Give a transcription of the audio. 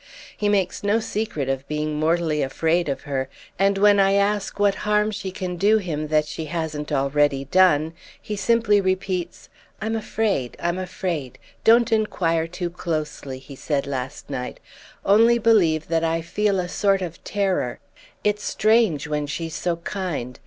He makes no secret of being mortally afraid of her, and when I ask what harm she can do him that she hasn't already done he simply repeats: 'I'm afraid, I'm afraid! Don't enquire too closely,' he said last night; 'only believe that I feel a sort of terror. It's strange, when she's so kind!